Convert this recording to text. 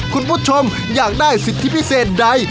คุณผู้ชมอยากได้สิทธิพิเศษใด